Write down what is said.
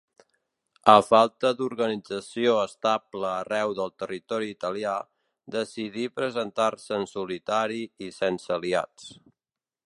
A falta d'organització estable arreu del territori italià, decidí presentar-se en solitari i sense aliats.